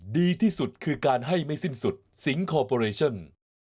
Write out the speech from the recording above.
ดีที่สุดคือการให้ไม่สิ้นสุดสิงคอร์ปอเรชั่น